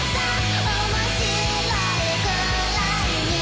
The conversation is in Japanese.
「おもしろいくらいに」